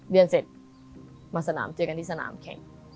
เรียนเสร็จมาสนามเจอกันที่สนามแข่ง